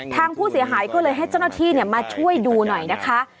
ทางผู้เสียหายก็เลยให้เจ้าหน้าที่มาช่วยดูหน่อยนะคะ